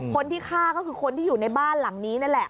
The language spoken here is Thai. คนที่ฆ่าก็คือคนที่อยู่ในบ้านหลังนี้นั่นแหละ